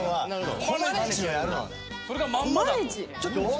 「それがまんまだと」